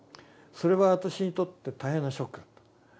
それは私にとって大変なショックだった。